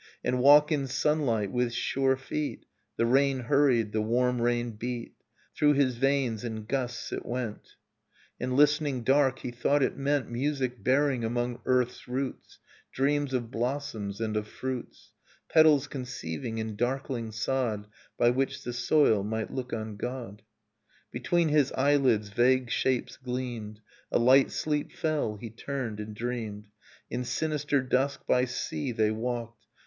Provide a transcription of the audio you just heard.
And walk in sunlight with sure feet. The rain hurried ... The warm rain beat .. Through his veins in gusts it went. Nocturne of Remembered Spring And listening dark he thought it meant Music bearing among earth's roots Dreams of blossoms and of fruits, Petals conceived in darkling sod By which the soil might look on God. Between his eyelids vague shapes gleamed, A light sleep fell, he turned and dreamed. ... In sinister dusk by sea they walked.